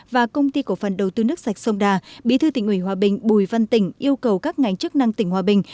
và công ty cổ phần đầu tư nước sạch sông đà bí thư tỉnh ủy hòa bình bùi văn tỉnh yêu cầu các ngành chức năng tỉnh hòa bình